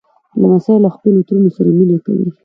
لمسی له خپلو ترونو سره مینه کوي.